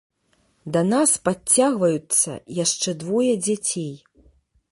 Да нас падцягваюцца яшчэ двое дзяцей.